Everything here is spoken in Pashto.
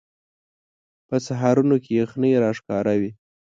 په سهارونو کې یخنۍ راښکاره وي